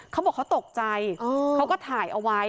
เขาบอกเขาตกใจเขาก็ถ่ายเอาไว้